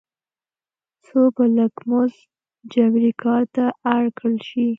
څو په لږ مزد جبري کار ته اړ کړل شي.